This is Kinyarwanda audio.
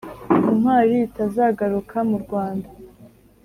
ntwari ritazagaruka mu rwanda